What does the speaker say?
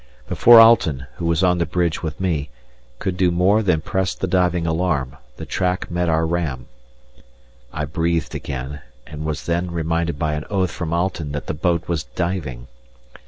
Before Alten (who was on the bridge with me) could do more than press the diving alarm, the track met our ram. I breathed again, and was then reminded by an oath from Alten that the boat was diving.